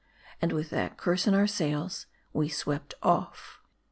And with that curse in our sails, we swept off.